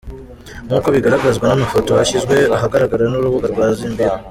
Nk’uko bigaragazwa n’amafoto yashyizwe ahagaragara n’urubuga rwa Zimbio.